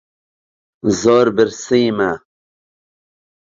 زۆر برسیمە.